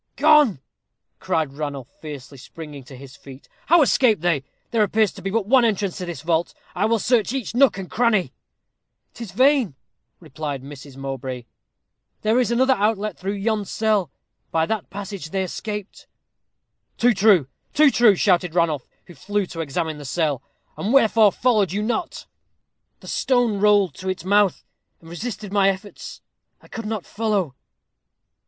"Gone!" cried Ranulph, fiercely springing to his feet. "How escaped they? There appears to be but one entrance to this vault. I will search each nook and cranny." "'Tis vain," replied Mrs. Mowbray. "There is another outlet through yon cell. By that passage they escaped." "Too true, too true," shouted Ranulph, who flew to examine the cell. "And wherefore followed you not?" "The stone rolled to its mouth, and resisted my efforts. I could not follow."